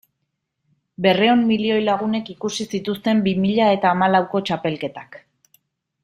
Berrehun milioi lagunek ikusi zituzten bi mila eta hamalauko txapelketak.